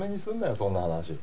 そんな話。